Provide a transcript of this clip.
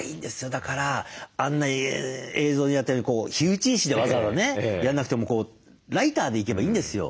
だからあんな映像でやったように火打ち石でわざわざねやんなくてもこうライターでいけばいいんですよ。